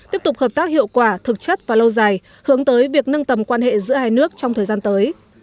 tiếp tục hợp tác hiệu quả thực chất và lâu dài hướng tới việc nâng tầm quan hệ giữa hai nước trong thời gian tới